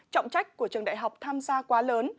trọng trách của trường đại học tham gia quá lớn